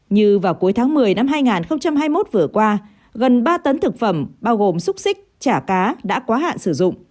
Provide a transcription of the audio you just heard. như vào cuối tháng một mươi năm hai nghìn hai mươi một vừa qua gần ba tấn thực phẩm bao gồm xúc xích chả cá đã quá hạn sử dụng